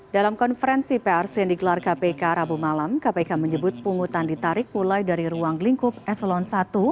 dalam konferensi pers yang digelar kpk rabu malam kpk menyebut pungutan ditarik mulai dari ruang lingkup eselon i